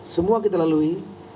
semua kita lalui